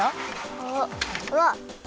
あうわっ！